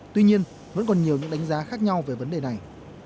tuy nhiên vẫn còn nhiều những đánh giá khác nhau về vấn đề này